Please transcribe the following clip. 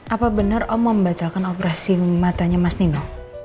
apa benar om membatalkan operasi matanya mas nima